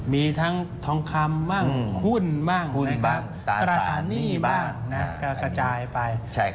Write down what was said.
มีทั้งทองคำบ้างหุ้นบ้างหุ้นตราสารหนี้บ้างก็กระจายไป